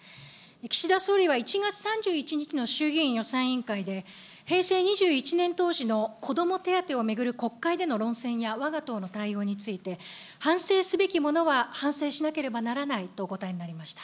岸田総理は１月３１日の衆議院予算委員会で、平成２１年当時のこども手当を巡る国会での論戦や、わが党の対応について、反省すべきものは反省しなければならないとお答えになりました。